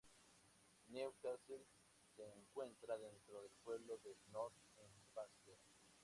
New Cassel se encuentra dentro del pueblo de North Hempstead.